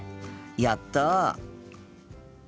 やった！